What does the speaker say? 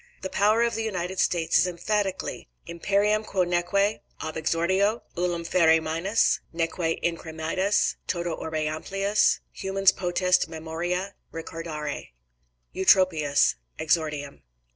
The power of the United States is emphatically the "Imperium quo neque ab exordio ullum fere minus, neque incrementis toto orbe amplius humans potest memoria recordari." [Eutropius, lib. i. (exordium).